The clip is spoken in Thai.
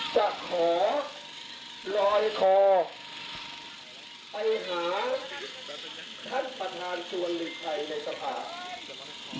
จะขอรอยคอไปหาท่านประธานชวนฤทธิ์ใครในสภาพ